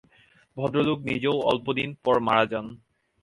ভদ্রলোক নিজেও অল্প দিন পর মারা যান।